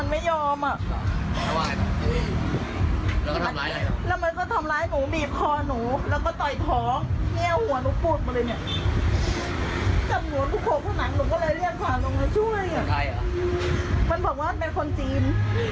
มันบอกว่าเป็นคนจีน